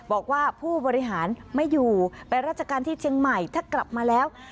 บอกว่าผู้บริหารไม่อยู่ไปราชการที่เชียงใหม่ถ้ากลับมาแล้ว